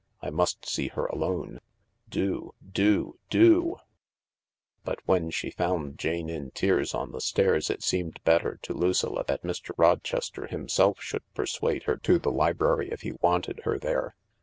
I must see her alone. Do, do f do !" But when she found Jane in tears on the stairs it seemed better to Lucilla that Mr. Rochester himself should persuade her to the library if he wanted her there.